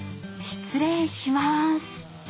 失礼します。